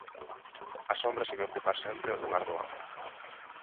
A sombra sabía ocupar sempre o lugar do amo.